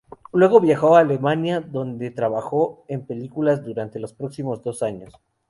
Luego viajó a Alemania, donde trabajó en películas durante los próximos dos años.